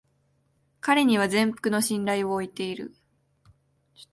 彼には全幅の信頼を置いている